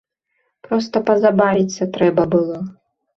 Проста пазабавіцца трэба было.